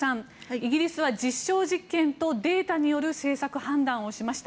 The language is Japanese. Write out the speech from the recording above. イギリスは実証実験とデータによる政策判断をしました。